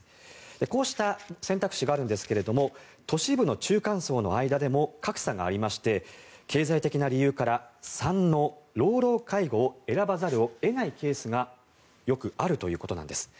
こうした選択肢があるんですが都市部の中間層の間でも格差がありまして経済的な理由から３の老老介護を選ばざるを得ないケースがよくあるということなんです。